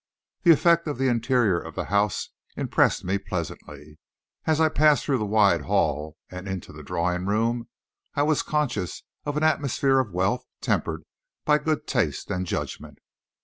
The effect of the interior of the house impressed me pleasantly. As I passed through the wide hall and into the drawing room, I was conscious of an atmosphere of wealth tempered by good taste and judgment.